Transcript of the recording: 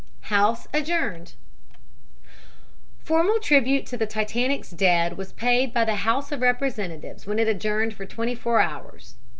HOUSE ADJOURNED Formal tribute to the Titanic's dead was paid by the House of Representatives when it adjourned for twenty four hours.